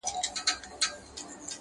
یخه سایه په دوبي ژمي کي لمبه یمه زه,